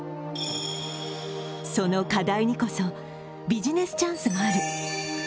その課題にこそビジネスチャンスがある。